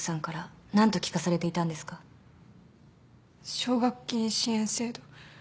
奨学金支援制度。